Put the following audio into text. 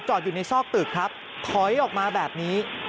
อยู่ในซอกตึกครับถอยออกมาแบบนี้